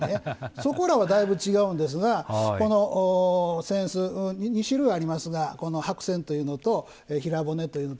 そこらは、能とだいぶ違うんですがこの扇子２種類ありますが白扇というのと平骨というの。